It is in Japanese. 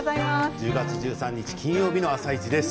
１０月１３日金曜日の「あさイチ」です。